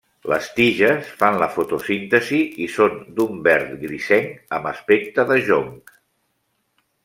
Les tiges fan la fotosíntesi i són d'un verd grisenc amb aspecte de jonc.